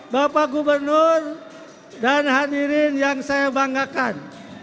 bapak gubernur dan hadirin yang saya banggakan